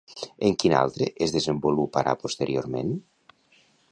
En quin altre es desenvoluparà posteriorment?